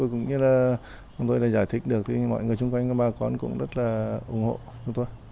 cũng như là chúng tôi đã giải thích được thì mọi người xung quanh và bà con cũng rất là ủng hộ chúng tôi